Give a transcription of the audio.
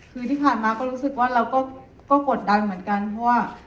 คือที่ผ่านมาก็รู้สึกว่าเราก็กดดันเหมือนกันเพราะว่า